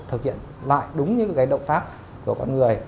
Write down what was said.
thực hiện lại đúng những cái động tác của con người